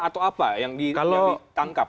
atau apa yang ditangkap